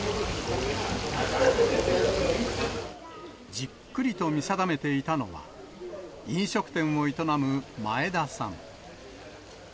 じっくりと見定めていたのは、飲食店を営む前田さん。